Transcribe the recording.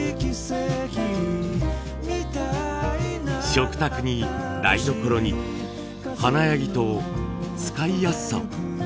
食卓に台所に華やぎと使いやすさを。